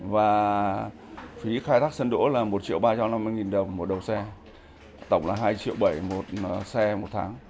và phí khai thác sân đỗ là một triệu ba trăm năm mươi nghìn đồng một đầu xe tổng là hai triệu bảy một xe một tháng